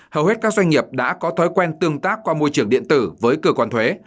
hầu hết các doanh nghiệp đã có thói quen tương tác qua môi trường điện tử với cơ quan thuế